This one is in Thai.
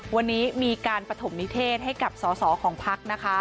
วันนี้มีการปฐมนิเทศให้กับสอสอของพักนะคะ